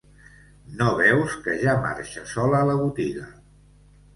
No veus que ja marxa sola la botiga